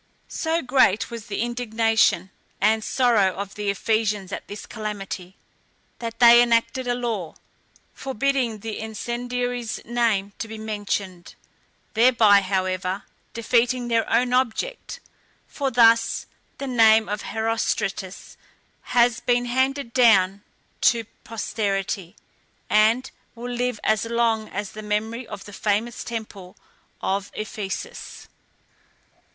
So great was the indignation and sorrow of the Ephesians at this calamity, that they enacted a law, forbidding the incendiary's name to be mentioned, thereby however, defeating their own object, for thus the name of Herostratus has been handed down to posterity, and will live as long as the memory of the famous temple of Ephesus.